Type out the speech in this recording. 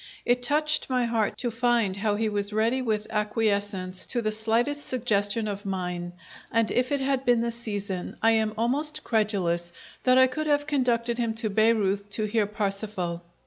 It touched my heart to find how he was ready with acquiescence to the slightest suggestion of mine, and, if it had been the season, I am almost credulous that I could have conducted him to Baireuth to hear Parsifal!